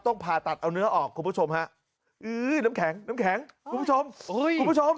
ต้องผ่าตัดเอาเนื้อออกคุณผู้ชมนะอื้อน้ำแข็งคุณผู้ชมคุณผู้ชม